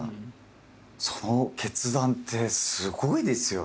その決断ってすごいですよね。